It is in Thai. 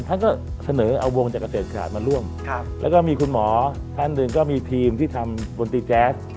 ท่านก็เสนอเอาวงจากเกษตรขาดมาร่วมแล้วก็มีคุณหมอท่านหนึ่งก็มีทีมที่ทำบนตีแก๊ส